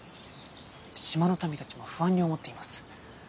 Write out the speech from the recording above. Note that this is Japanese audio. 島の民たちも不安に思っています。